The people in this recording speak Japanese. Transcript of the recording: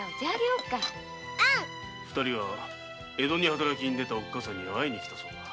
二人は江戸に働きに出た母親に会いに来たそうだ。